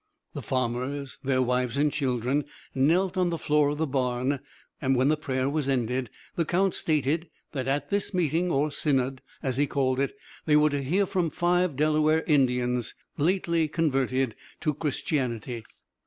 The farmers, their wives, and children knelt on the floor of the barn. When the prayer was ended the Count stated that at this meeting, or synod, as he called it, they were to hear from five Delaware Indians, lately converted to Christianity.